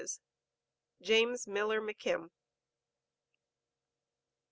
JAMES MILLER McKIM.